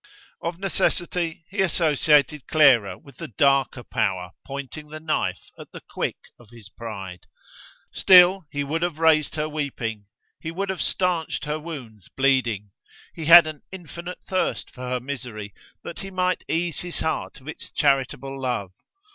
Of necessity he associated Clara with the darker Power pointing the knife at the quick of his pride. Still, he would have raised her weeping: he would have stanched her wounds bleeding: he had an infinite thirst for her misery, that he might ease his heart of its charitable love.